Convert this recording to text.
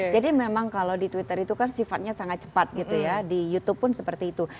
jadi memang kalau di twitter itu kan sifatnya sangat cepat gitu ya di youtube pun seperti itu